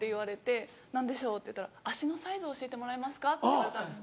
「何でしょう」って言ったら「足のサイズ教えてもらえますか」って言われたんです。